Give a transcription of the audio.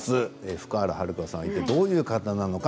福原遥さん、いったいどういう方なのか。